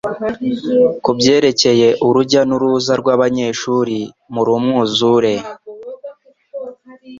kubyerekeye urujya n'uruza rw'abanyeshuri muri umwuzure